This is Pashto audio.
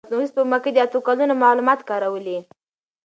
مصنوعي سپوږمکۍ د اته کلونو معلومات کارولي.